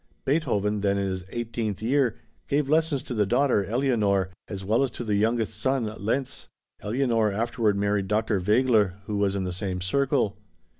Beethoven, then in his eighteenth year, gave lessons to the daughter Eleonore, as well as to the youngest son, Lenz. Eleonore afterward married Dr. Wegeler, who was in the same circle.